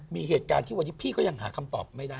มีเหตุการณ์ที่วันนี้พี่ก็ยังหาคำตอบไม่ได้